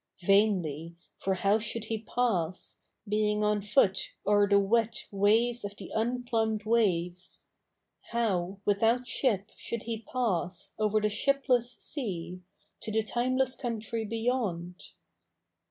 Vainly : for how should he pass, Being on foot, o^er the wet Ways of the zinplumbed waves ? How, without ship, should he pass Over the shipless sea To the titneless co2int?y beyond